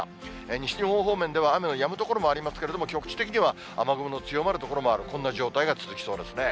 西日本方面では雨のやむ所もありますけれども、局地的には雨雲の強まる所もある、こんな状態が続きそうですね。